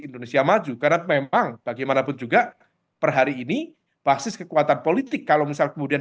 indonesia maju karena memang bagaimanapun juga per hari ini basis kekuatan politik kalau misal kemudian